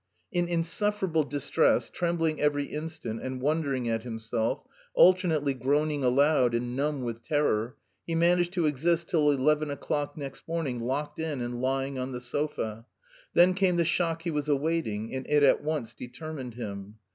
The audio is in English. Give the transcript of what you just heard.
In insufferable distress, trembling every instant and wondering at himself, alternately groaning aloud and numb with terror, he managed to exist till eleven o'clock next morning locked in and lying on the sofa; then came the shock he was awaiting, and it at once determined him.